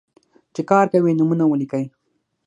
چې کار کوي، نومونه ولیکئ.